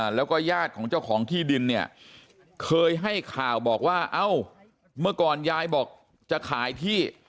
แล้วก็ญาติของเจ้าของที่ดินเนี่ยเคยให้ข่าวบอกว่าเอ้าเมื่อก่อนยายบอกจะขายที่